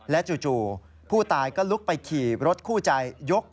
จู่ผู้ตายก็ลุกไปขี่รถคู่ใจยก